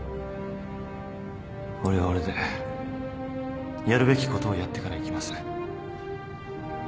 俺は俺でやるべきことをやってから行きます。